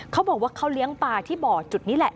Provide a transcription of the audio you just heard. เขาบอกว่าเขาเลี้ยงปลาที่บ่อจุดนี้แหละ